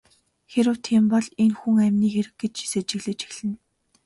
Хэрэв тийм бол энэ хүн амины хэрэг гэж сэжиглэж эхэлнэ.